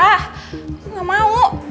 aku gak mau